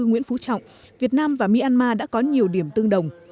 nguyễn phú trọng việt nam và myanmar đã có nhiều điểm tương đồng